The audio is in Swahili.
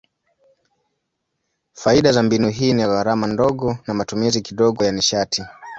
Faida za mbinu hii ni gharama ndogo na matumizi kidogo ya nishati.